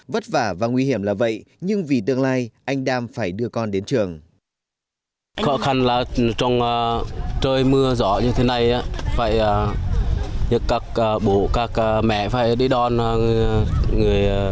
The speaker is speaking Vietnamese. vất vả và nguy hiểm là vậy nhưng vì tương lai anh đam phải đưa con đến trường